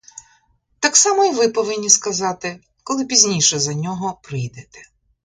Так само й ви повинні сказати, коли пізніше за нього прийдете.